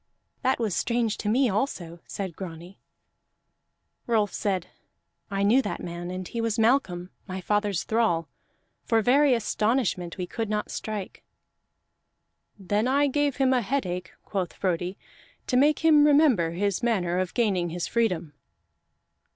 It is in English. "That was strange to me also," said Grani. Rolf said: "I knew that man, and he was Malcolm, my father's thrall. For very astonishment we could not strike." "Then I gave him a headache," quoth Frodi, "to make him remember his manner of gaining his freedom."